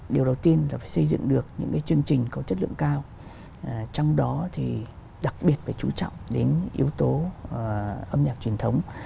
điều đầu tiên là phải xây dựng được những cái chương trình có chất lượng cao trong đó thì đặc biệt phải chú trọng đến yếu tố âm nhạc truyền thống